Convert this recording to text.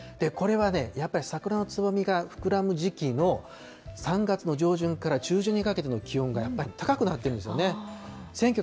これはね、やっぱり、桜のつぼみが膨らむ時期の、３月の上旬から中旬にかけての気温がやっぱり高くなっているんですよね。